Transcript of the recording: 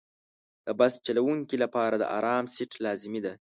د بس چلوونکي لپاره د آرام سیټ لازمي دی.